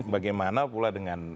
bagaimana pula dengan